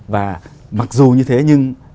và mặc dù như thế nhưng